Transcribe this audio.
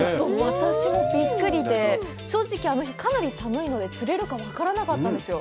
私もびっくりで、正直、あの日、かなり寒いので、釣れるか分からなかったんですよ。